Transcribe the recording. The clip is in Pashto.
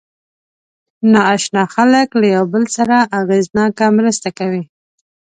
ناآشنا خلک له یو بل سره اغېزناکه مرسته کوي.